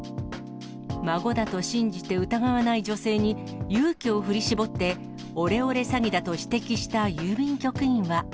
孫だと信じて疑わない女性に、勇気を振り絞ってオレオレ詐欺だと指摘した郵便局員は。